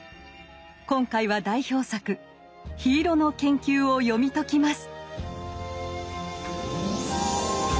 今回は代表作「緋色の研究」を読み解きます。